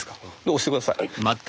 押して下さい。